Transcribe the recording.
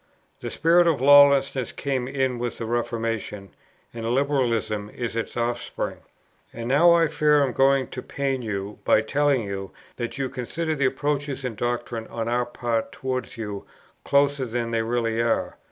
The spirit of lawlessness came in with the Reformation, and Liberalism is its offspring. "And now I fear I am going to pain you by telling you, that you consider the approaches in doctrine on our part towards you, closer than they really are.